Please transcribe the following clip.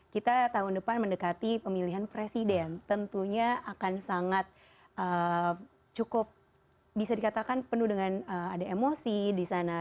kita tahun depan mendekati pemilihan presiden tentunya akan sangat cukup bisa dikatakan penuh dengan ada emosi di sana